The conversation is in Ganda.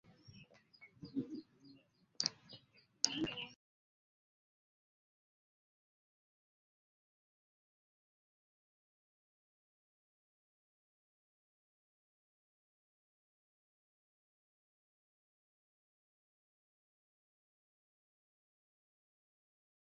Obwakabaka bwa buganda busse omukago ne Housing Finance Bank.